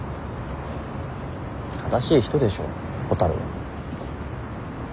正しい人でしょほたるは。